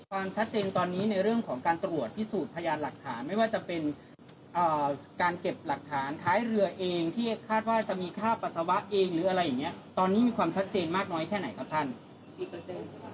ความชัดเจนตอนนี้ในเรื่องของการตรวจพิสูจน์พยานหลักฐานไม่ว่าจะเป็นการเก็บหลักฐานท้ายเรือเองที่คาดว่าจะมีค่าปัสสาวะเองหรืออะไรอย่างเงี้ย